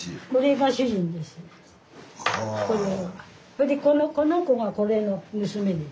それでこの子がこれの娘です。